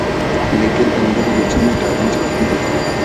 لیکن اندر جو چیز ڈالی جاتی ہے۔